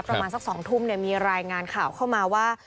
ประมาณสัก๒ทุ่มมีรายงานข่าวเข้ามาว่า